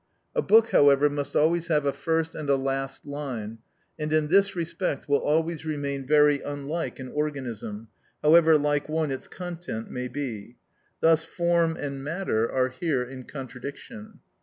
A book, however, must always have a first and a last line, and in this respect will always remain very unlike an organism, however like one its content may be: thus form and matter are here in contradiction.